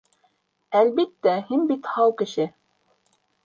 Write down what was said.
Әлбиттә, Һин бит һау кеше.